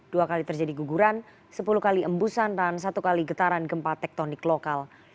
dua kali terjadi guguran sepuluh kali embusan dan satu kali getaran gempa tektonik lokal